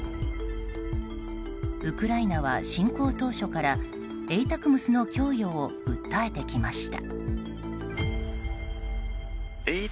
ウクライナは侵攻当初からＡＴＡＣＭＳの供与を訴えてきました。